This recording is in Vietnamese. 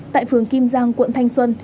tại phường kim giang quận thanh xuân